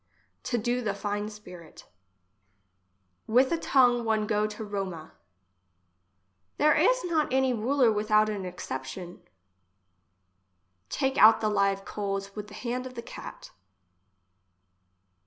To do the fine spirit With a tongue one go to Roma. There is not any mler without a exception. Take out the live coals with the hand of the cat.